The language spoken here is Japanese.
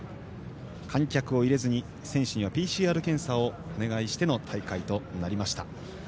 観客を入れずに選手にはＰＣＲ検査をお願いしての大会となりました。